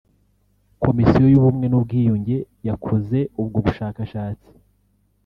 Komisiyo y’ubumwe n’ubwiyunge yakoze ubwo bushakashatsi